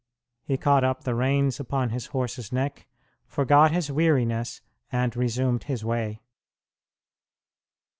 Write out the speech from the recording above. He caught up the reins upon his horse's neck, forgot his weariness, and resumed his way.